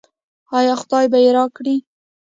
آیا خدای به یې راکړي؟